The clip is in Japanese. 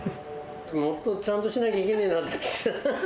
もっとちゃんとしないといけないなって。